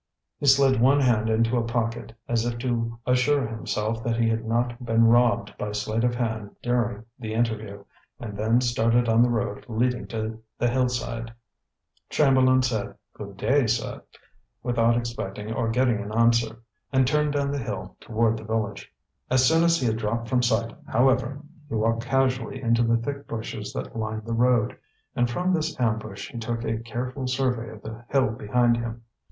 He slid one hand into a pocket, as if to assure himself that he had not been robbed by sleight of hand during the interview, and then started on the road leading to the Hillside. Chamberlain said "Good day, sir," without expecting or getting an answer, and turned down the hill toward the village. As soon as he had dropped from sight, however, he walked casually into the thick bushes that lined the road, and from this ambush he took a careful survey of the hill behind him.